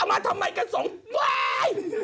มาทำไมกันสองวาย